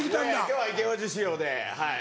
今日はイケおじ仕様ではい。